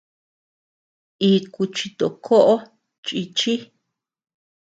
Iku chitokoʼo chichí.